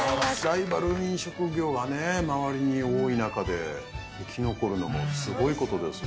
ライバル飲食業が周りに多い中で、生き残るのはすごいことですよ。